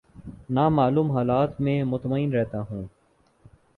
نا معلوم حالات میں مطمئن رہتا ہوں